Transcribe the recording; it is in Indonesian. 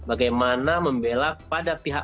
organisasi profesi kepada masyarakat